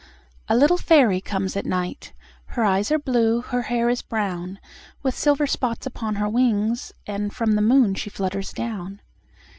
A little fairy comes at night, Her eyes are blue, her hair is brown, With silver spots upon her wings, And from the moon she flutters down.